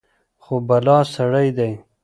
خو بلا سړى دى.